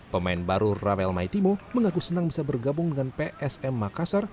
pemain baru ramel maitimo mengaku senang bisa bergabung dengan psm makassar